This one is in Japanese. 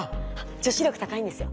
女子力高いんですよ。